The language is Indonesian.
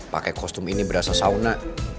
pakai kostum ini berasal sauna